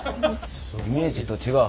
イメージと違う。